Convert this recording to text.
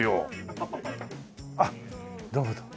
あっどうもどうも。